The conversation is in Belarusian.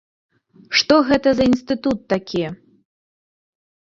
Што гэта за інстытут такі?